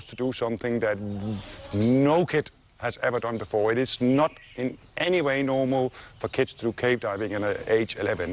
อีกครั้งมีฝังพิสูจน์ที่คุ้มมาก